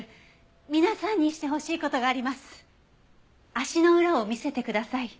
足の裏を見せてください。